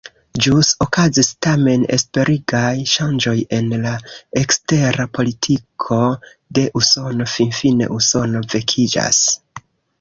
Ĵus okazis tamen esperigaj ŝanĝoj en la ekstera politiko de Usono: finfine Usono vekiĝas.